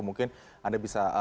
mungkin anda bisa menambahkan